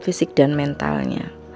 fisik dan mentalnya